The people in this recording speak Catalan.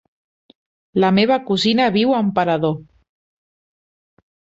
La meva cosina viu a Emperador.